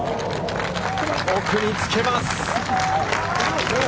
奥につけます。